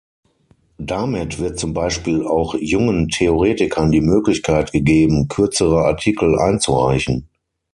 Damit wird zum Beispiel auch jungen Theoretikern die Möglichkeit gegeben, kürzere Artikel einzureichen.